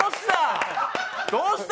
どうした？